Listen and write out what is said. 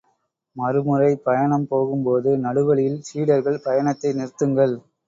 மறுமுறை பயணம் போகும்போது, நடுவழியில் சீடர்கள் பயணத்தை நிறுத்துங்கள்.